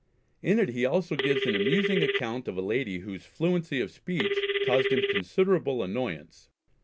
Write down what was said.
In it he also gives an amusing account of a lady whose fluency of speech caused him considerable annoyance.